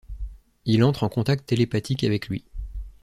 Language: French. Il entre en contact télépathique avec lui.